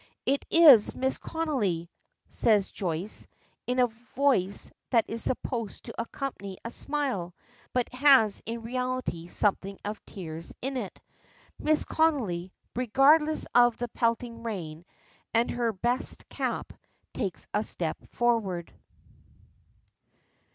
"It is Mrs. Connolly," says Joyce, in a voice that is supposed to accompany a smile, but has in reality something of tears in it. Mrs. Connolly, regardless of the pelting rain and her best cap, takes a step forward.